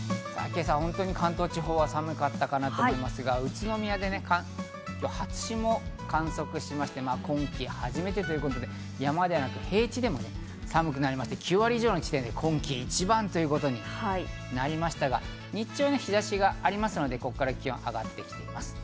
今朝は本当に関東地方は寒かったかなと思いますが、宇都宮で初霜を観測しまして、今季初めてということで、山だけではなく、平地でも寒くなって９割以上の地点で今季一番ということになりましたが、日中は日差しがありますので、ここから気温が上がっていきます。